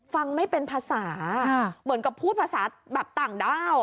ฟังไม่เป็นภาษาเหมือนกับพูดภาษาแบบต่างด้าว